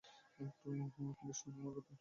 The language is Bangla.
প্লিজ শোনো আমার কথা।